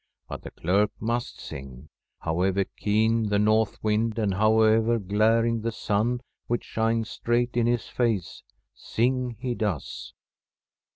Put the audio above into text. But the clerk must sing ; however keen the north wind and however glaring the sun which shines straight in his face, sing he does.